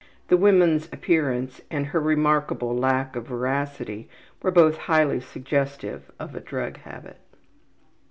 The woman's appearance and her remarkable lack of veracity were both highly suggestive of a drug habit.